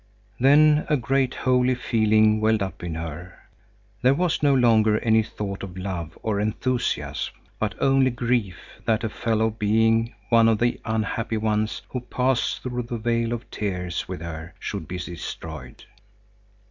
Then a great, holy feeling welled up in her. There was no longer any thought of love or enthusiasm, but only grief that a fellow being, one of the unhappy ones who passed through the vale of tears with her, should be destroyed.